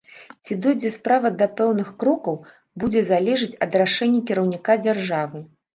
Ці дойдзе справа да пэўных крокаў, будзе залежаць ад рашэння кіраўніка дзяржавы.